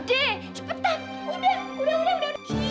cepetan udah udah udah